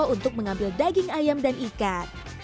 untuk mengambil daging ayam dan ikan